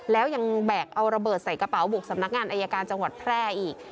แล้วยังแบกเอาระเบิดใส่กระเป๋าบุกสำนักงานอายการจังหวัดแพร่อีก